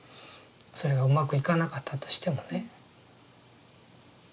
それがうまくいかなかったとしてもね。